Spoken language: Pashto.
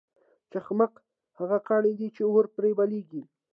چخماق هغه کاڼی دی چې اور پرې بلیږي.